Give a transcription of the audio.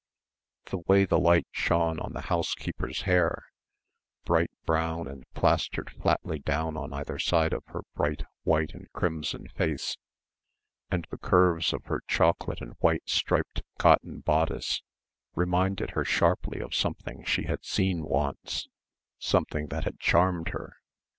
The way the light shone on the housekeeper's hair, bright brown and plastered flatly down on either side of her bright white and crimson face, and the curves of her chocolate and white striped cotton bodice, reminded her sharply of something she had seen once, something that had charmed her